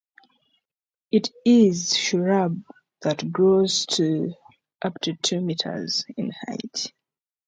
It is shrub that grows to up to two metres in height.